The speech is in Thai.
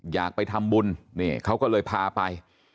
อยากไปทำบุญนี่เขาก็เลยพาไป